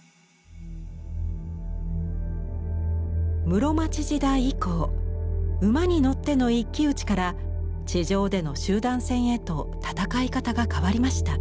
室町時代以降馬に乗っての一騎打ちから地上での集団戦へと戦い方が変わりました。